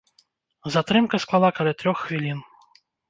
Затрымка склала каля трох хвілін.